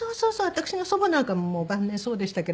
私の祖母なんかももう晩年そうでしたけれども。